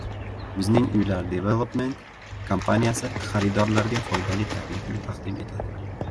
Bizning Uylar Development kompaniyasi xaridorlarga foydali taklifni taqdim etadi